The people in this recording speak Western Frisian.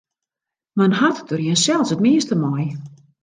Men hat der jinsels it meast mei.